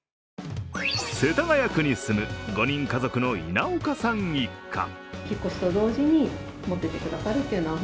世田谷区に住む５人家族の稲岡さん一家。